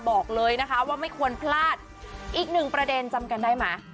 บอกเลยนะคะว่าไม่ควรพลาดอีกหนึ่งประเด็นจำกันได้ไหม